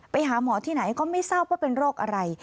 ไปหาหมอที่ไหนก็ไม่ทราบว่าเป็นโรคอะไร